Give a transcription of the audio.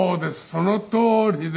そのとおりです。